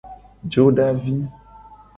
Jodavi.